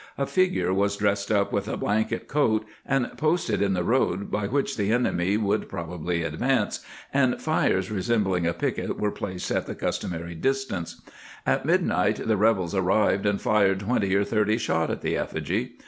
... A figure was dressed up with a blanket coat, and posted in the road by which the enemy would probably advance, and fires re sembling a piquet were placed at the customary distance ; at midnight the rebels arrived, and fired twenty or thirty shot at the effigy.